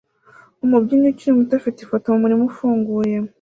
Umubyinnyi ukiri muto afite ifoto mumurima ufunguye